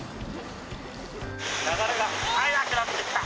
流れが速くなってきた。